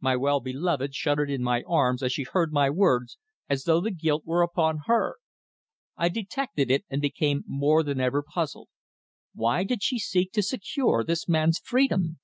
My well beloved shuddered in my arms as she heard my words as though the guilt were upon her. I detected it, and became more than ever puzzled. Why did she seek to secure this man's freedom?